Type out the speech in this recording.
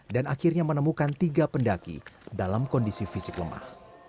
dan akhirnya menemukan tiga pendaki dalam kondisi fisik lemah